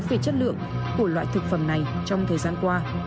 về chất lượng của loại thực phẩm này trong thời gian qua